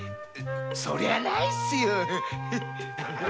そりゃないですよ。